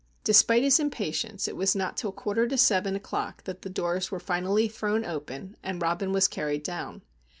Despite his impatience, it was not till quarter to seven o'clock that the doors were finally thrown open and Robin was carried down.